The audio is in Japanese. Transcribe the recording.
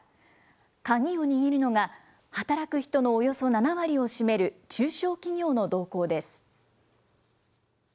鍵を握るのが、働く人のおよそ７割を占める中小企業の動向です。